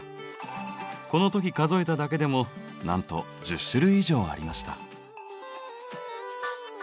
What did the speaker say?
この時数えただけでもなんと１０種類以上ありました。